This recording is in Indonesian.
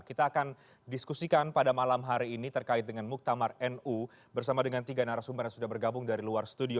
kita akan diskusikan pada malam hari ini terkait dengan muktamar nu bersama dengan tiga narasumber yang sudah bergabung dari luar studio